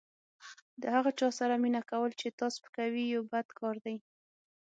د هغه چا سره مینه کول چې تا سپکوي یو بد کار دی.